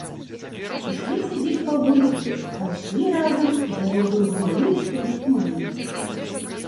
Сышліся дзесь па вуліцы, пайшлі разам і дарогаю гаманілі сабе памаленьку.